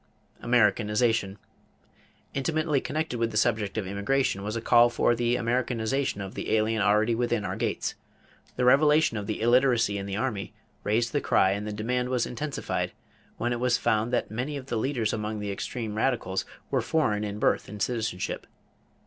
=Americanization.= Intimately connected with the subject of immigration was a call for the "Americanization" of the alien already within our gates. The revelation of the illiteracy in the army raised the cry and the demand was intensified when it was found that many of the leaders among the extreme radicals were foreign in birth and citizenship.